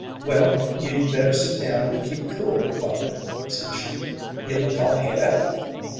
"Well, you'd better sit down and keep cool, father," said she; "you look all het up."